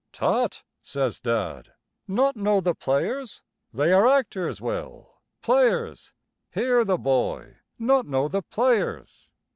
"Tut," says Dad, "not know the players! They are actors, Will players. Hear the boy not know the players!"